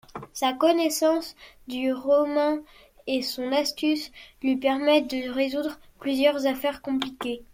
Sa connaissance du romain et son astuce lui permettent de résoudre plusieurs affaires compliquées.